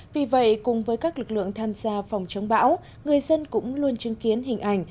vì vậy cùng với các lực lượng tham gia phòng chống bão người dân cũng luôn chứng kiến hình ảnh